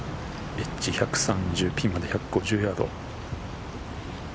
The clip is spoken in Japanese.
エッジ１３０、ピンまで１５０ヤード。